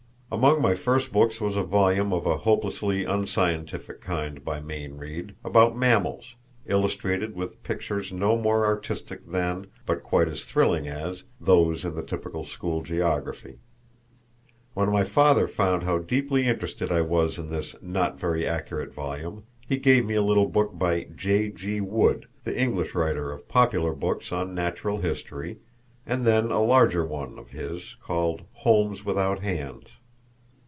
Among my first books was a volume of a hopelessly unscientific kind by Mayne Reid, about mammals, illustrated with pictures no more artistic than but quite as thrilling as those in the typical school geography. When my father found how deeply interested I was in this not very accurate volume, he gave me a little book by J. G. Wood, the English writer of popular books on natural history, and then a larger one of his called "Homes Without Hands."